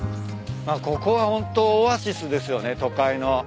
ここはホントオアシスですよね都会の。